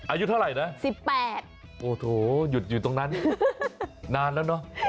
อายุเท่าไหร่นะ๑๘โอ้โหหยุดอยู่ตรงนั้นนานแล้วเนอะ